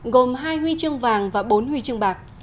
gồm hai huy chương vàng và bốn huy chương bạc